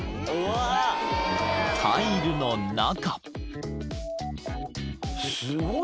［タイルの中］